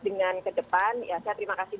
dengan ke depan ya saya terima kasih